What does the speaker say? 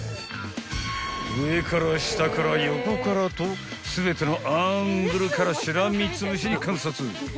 ［上から下から横からと全てのアングルからしらみつぶしに観察］